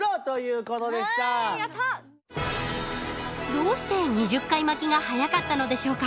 どうして２０回巻きが速かったのでしょうか。